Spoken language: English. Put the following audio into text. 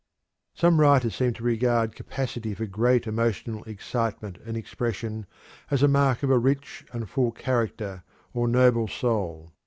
Some writers seem to regard capacity for great emotional excitement and expression as a mark of a rich and full character or noble soul.